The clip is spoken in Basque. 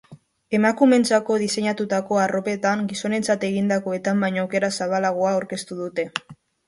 Emakumeentzako diseinatutako arropetan gizonentzat egindakoetan baino aukera zabalagoa aurkeztu dute.